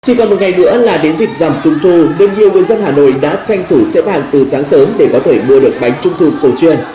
chỉ còn một ngày nữa là đến dịp giảm trung thu được nhiều người dân hà nội đã tranh thủ xếp hàng từ sáng sớm để có thể mua được bánh trung thu cổ truyền